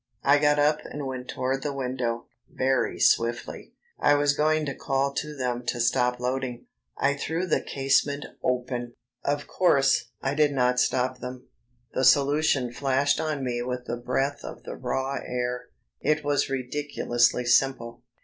I got up and went toward the window, very swiftly. I was going to call to them to stop loading. I threw the casement open. Of course, I did not stop them. The solution flashed on me with the breath of the raw air. It was ridiculously simple.